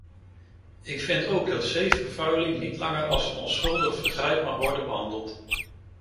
Ik vind ook dat zeevervuiling niet langer als een onschuldig vergrijp mag worden behandeld.